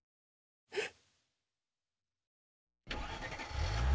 えっ？